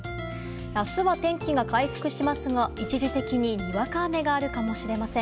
明日は天気が回復しますが一時的ににわか雨があるかもしれません。